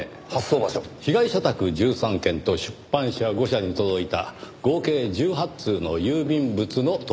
被害者宅１３軒と出版社５社に届いた合計１８通の郵便物の投函された場所です。